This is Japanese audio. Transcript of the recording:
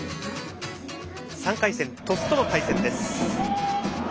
３回戦、鳥栖との対戦です。